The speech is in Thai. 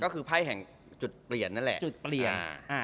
ก็คือใครแห่งจุดเปลี่ยนนั่นแหละ